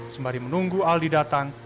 sembari menunggu aldi datang